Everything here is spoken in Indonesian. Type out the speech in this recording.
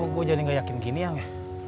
kok gue jadi gak yakin gini yang ya